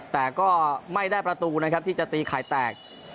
แต่ก็ไม่ได้ประตูนะครับที่จะตีไข่แตก